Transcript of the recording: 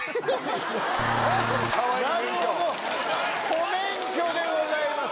こめん許でございます。